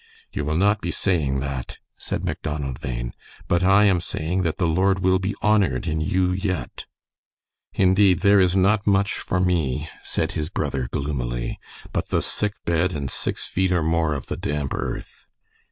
"You will not be saying that," said Macdonald Bhain. "But I am saying that the Lord will be honored in you yet." "Indeed, there is not much for me," said his brother, gloomily, "but the sick bed and six feet or more of the damp earth."